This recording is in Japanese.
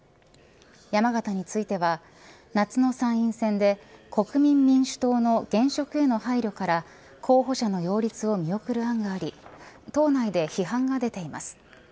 山形については夏の参院選で国民民主党の現職への配慮から候補者の擁立を見送る案があり党内で批判が出ています。